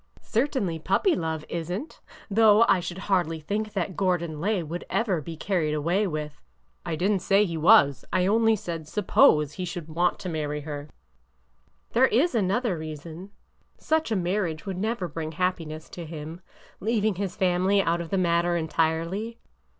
Certainly puppy love is n't ! Though I should hardly think that Gordon Lay would ever be carried away with—" I did n't say he was. I only said suppose he should v/ant to marry her." '' There is another reason. Such a marriage would never bring happiness to him, — leaving his family out of the matter entirely.